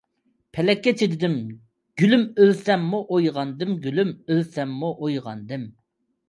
پەلەككە چىدىدىم گۈلۈم ئۆلسەممۇ ئويغاندىم گۈلۈم ئۆلسەممۇ ئويغاندىم!